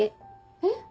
えっ？